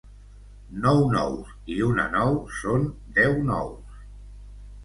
Nou nous i una nou són deu nous